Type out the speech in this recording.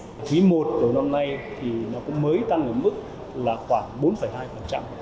quý i đầu năm nay thì nó cũng mới tăng đến mức là khoảng bốn hai